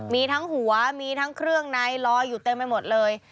มีทั้งหัวมีทั้งเครื่องในลอยอยู่เต็มไปหมดเลย